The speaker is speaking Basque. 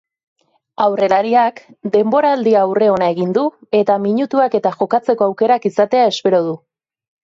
Aurrelariak denboraldiaurre ona egin du eta minutuak eta jokatzeko aukerak izatea espero du.